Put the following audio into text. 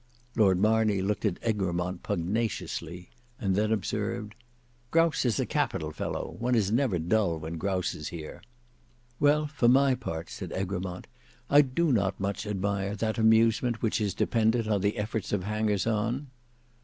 Lord Marney looked at Egremont pugnaciously, and then observed, "Grouse is a capital fellow; one is never dull when Grouse is here." "Well, for my part," said Egremont, "I do not much admire that amusement which is dependent on the efforts of hangers on."